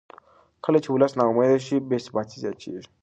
کله چې ولس نا امیده شي بې ثباتي زیاتېږي